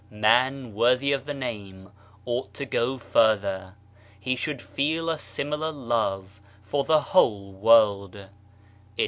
Man worthy of the name ought to go further : he should feel a similar love for the whole world.